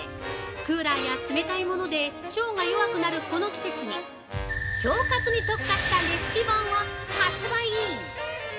クーラーや冷たいもので腸が弱くなるこの季節に、腸活に特化したレシピ本を発売！